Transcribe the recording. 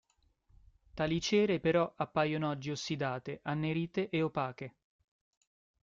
Tali cere però appaiono oggi ossidate, annerite e opache.